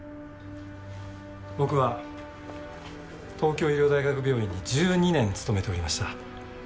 僕は東京医療大学病院に１２年勤めておりました。